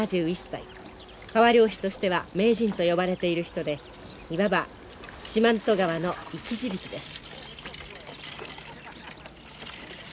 川漁師としては名人と呼ばれている人でいわば四万十川の生き字引です。